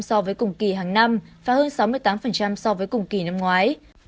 so với cùng kỳ hàng năm và hơn sáu mươi tám so với cùng kỳ năm ngoái